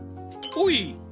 おい！